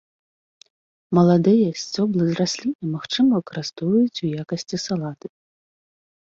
Маладыя сцёблы расліны магчыма выкарыстоўваць у якасці салаты.